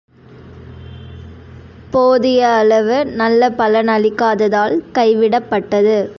போதிய அளவு நல்ல பலனளிக்காததால் கைவிடப்பட்டது.